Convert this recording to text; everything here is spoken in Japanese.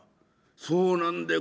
「そうなんだよ。